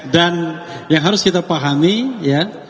dan yang harus kita pahami ya